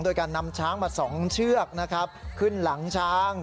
โดยการนำช้างมาสองเชือกขึ้นหลังช้าง